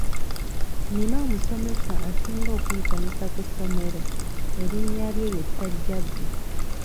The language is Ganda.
Nnina omusomesa asinga okunsanyusa ku ssomero erinnya lye ye Ssajjabbi.